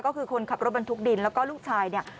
ก็คือคนขับรถบรรทุกดินแล้วก็ลูกชายเนี่ย